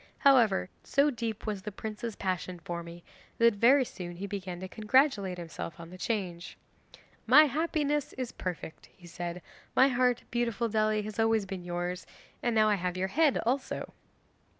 However, so deep was the prince's passion for me, that very soon he began to congratulate himself on the change. "My happiness is perfect," he said; "my heart, beautiful Dely, has always been yours, and now I have your head also."